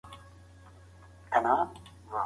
تاسي ولي په مځکي ناست سواست؟